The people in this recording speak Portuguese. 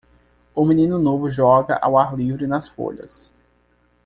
O menino novo joga ao ar livre nas folhas.